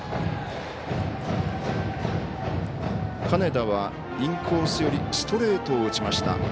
金田は、インコース寄りストレートを打ちました。